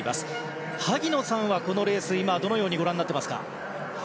萩野さんはこのレースどのようにご覧になっていますか。